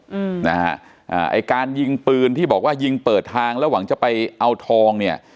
อืมนะฮะอ่าไอ้การยิงปืนที่บอกว่ายิงเปิดทางแล้วหวังจะไปเอาทองเนี่ย